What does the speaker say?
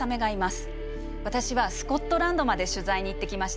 私はスコットランドまで取材に行ってきました。